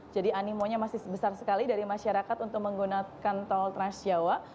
jadi animonya masih besar sekali dari masyarakat untuk menggunakan tol trans jawa